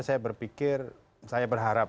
saya berpikir saya berharap